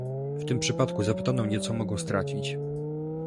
W tym przypadku zapytano mnie, co mogą stracić